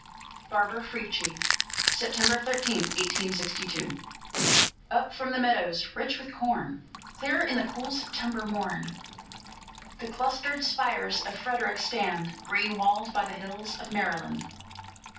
BARBARA FRIETCHIE [September 13, 1862] Up from the meadows rich with corn, Clear in the cool September morn, The clustered spires of Frederick stand Green walled by the hills of Maryland.